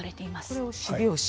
これを四拍子。